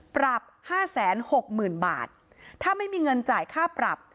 ปรับห้าแสนหกหมื่นบาทถ้าไม่มีเงินจ่ายค่าปรับ